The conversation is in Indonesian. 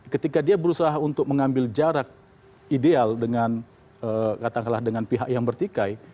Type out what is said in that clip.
ketika dia berusaha untuk mengambil jarak ideal dengan katakanlah dengan pihak yang bertikai